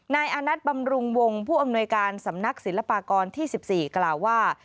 อานัทบำรุงวงผู้อำนวยการสำนักศิลปากรที่๑๔กล่าวว่า